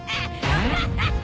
アハハハ！